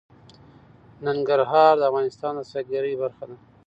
ننګرهار د افغانستان د سیلګرۍ برخه ده.